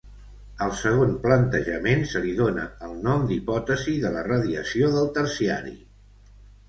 Al segon plantejament se li dóna el nom d'hipòtesi de la radiació del Terciari.